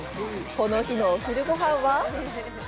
この日のお昼ごはんは？